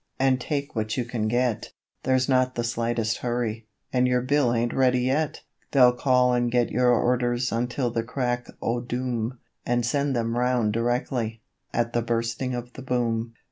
and take what you can get, 'There's not the slightest hurry, and your bill ain't ready yet.' They'll call and get your orders until the crack o' doom, And send them round directly, at the Bursting of the Boom.